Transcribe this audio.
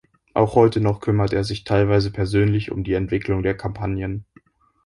Auch heute noch kümmert er sich teilweise persönlich um die Entwicklung der Kampagnen.